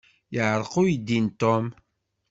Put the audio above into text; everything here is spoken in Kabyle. Yeɛreq uydi n Tom.